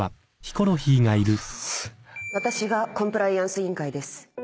私がコンプライアンス委員会です。